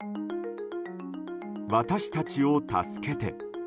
「私たちを助けて」。